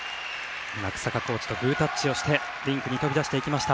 日下コーチとぐータッチをしてリンクに飛び出していきました。